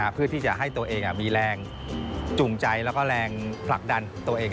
เพื่อที่จะให้ตัวเองมีแรงจูงใจแล้วก็แรงผลักดันตัวเอง